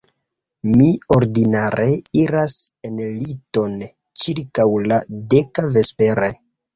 Mi ordinare iras en liton ĉirkaŭ la deka vespere.